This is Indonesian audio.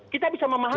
kita bisa memahami